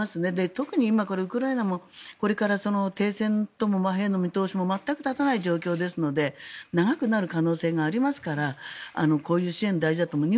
特に今、ウクライナもこれから停戦、和平の見通しが全く立たないので長くなる可能性がありますからこういう支援は大事だと思います。